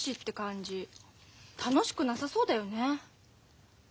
楽しくなさそうだよね。